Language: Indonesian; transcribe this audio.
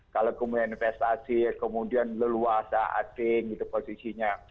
kalau kemudian investasi kemudian leluasa asing gitu posisinya